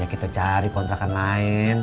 kita cari kontrakan lain